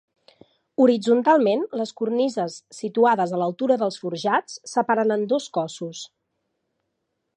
Horitzontalment, les cornises situades a l'altura dels forjats separen en dos cossos.